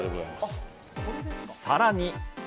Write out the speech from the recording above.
さらに。